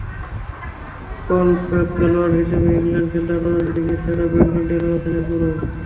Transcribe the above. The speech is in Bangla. কলপ্যাক খেলোয়াড় হিসেবে ইংল্যান্ডে খেলতে আন্তর্জাতিক ক্রিকেট ছাড়া ব্রেন্ডন টেলর আছেন এরপরই।